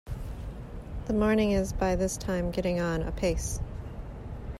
The morning is by this time getting on apace.